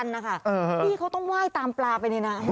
นี่เขาต้องไหว้ตามปลาไปในน้ำ